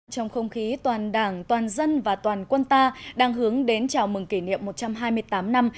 trong không khí toàn đảng toàn dân và toàn quân ta đang hướng đến chào mừng kỷ niệm một trăm hai mươi tám năm